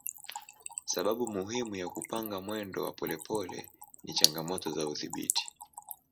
Sababu muhimu ya kupanga mwendo wa polepole ni changamoto za udhibiti.